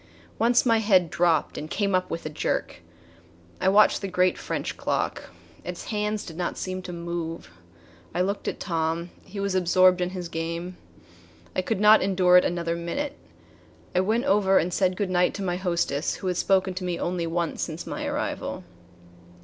Once my head dropped and came up with a jerk. I watched the great French clock. Its hands did not seem to move. I looked at Tom. He was absorbed in his game. I could not endure it another minute. I went over and said good night to my hostess who had spoken to me only once since my arrival.